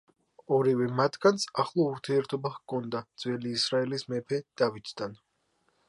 ორივე მათგანს ახლო ურთიერთობა ჰქონდა ძველი ისრაელის მეფე დავითთან.